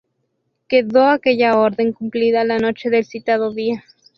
Quedó aquella orden cumplida la noche del citado día.